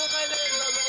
どうぞ。